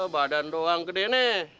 badan doang gede nih